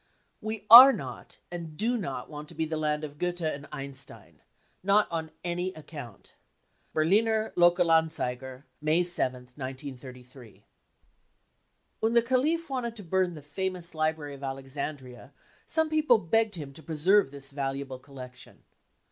" We are not and do not want to be the land of Goethe and Einstein. Not on any account. 35 (Berliner Lokal Anzeiger , May 7th, 1933.) % When the caliph wanted to burn the famous library of Alexandria, some people begged him to preserve this valuable collection.